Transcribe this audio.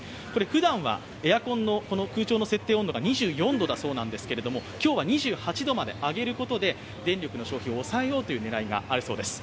ふだんはエアコンの空調の設定温度が２４度なんだそうですけれども、今日は２８度まで上げることで電力の消費を抑えようという狙いがあるそうです。